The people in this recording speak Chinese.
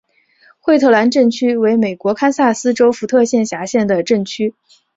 惠特兰镇区为美国堪萨斯州福特县辖下的镇区。